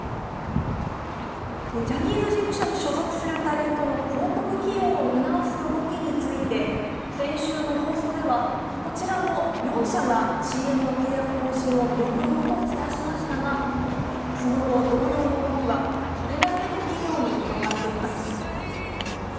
ジャニーズ事務所に所属するタレントの広告起用を見直す動きについて先週の放送では、こちらの４社がＣＭの契約更新を見送ることをお伝えしましたがその後、同様の動きはこれだけの企業に広がっています。